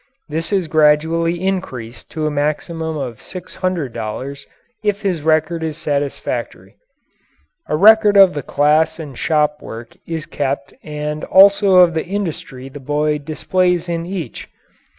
This is gradually increased to a maximum of six hundred dollars if his record is satisfactory. A record of the class and shop work is kept and also of the industry the boy displays in each.